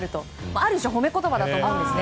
ある種誉め言葉だと思うんですね。